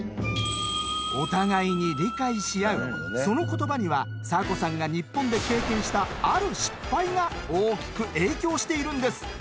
その言葉にはサコさんが日本で経験したある失敗が大きく影響しているんです。